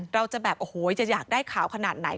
เราจะแบบโอ้โหจะอยากได้ขาวขนาดไหน